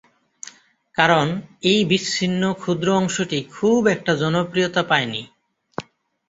কারণ এই বিচ্ছিন্ন ক্ষুদ্র অংশটি খুব একটা জনপ্রিয়তা পায়নি।